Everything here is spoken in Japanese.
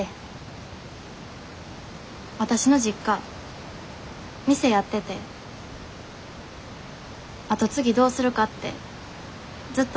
わたしの実家店やってて跡継ぎどうするかってずっともめてて。